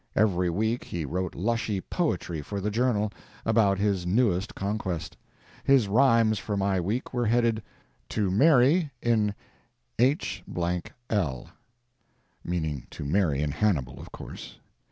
Every week he wrote lushy "poetry" for the "Journal," about his newest conquest. His rhymes for my week were headed, "To MARY IN H—L," meaning to Mary in Hannibal, of course.